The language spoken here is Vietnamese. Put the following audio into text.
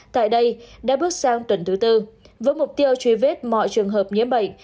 tại đây đã bước sang tuần thứ tư với mục tiêu truy vết mọi trường hợp nhiễm bệnh